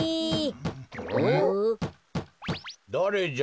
だれじゃ？